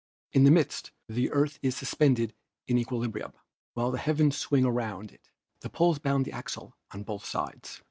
In the midst the Earth is suspended in equilibrium, while the heavens swing around it. The poles bound the axle on both sides.